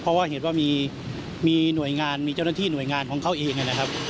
เพราะว่าเห็นว่ามีหน่วยงานมีเจ้าหน้าที่หน่วยงานของเขาเองนะครับ